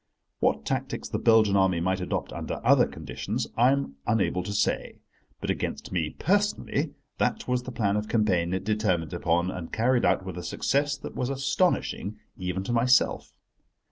What tactics the Belgian Army might adopt under other conditions I am unable to say, but against me personally that was the plan of campaign it determined upon and carried out with a success that was astonishing, even to myself.